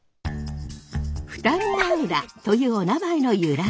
二見浦というおなまえの由来。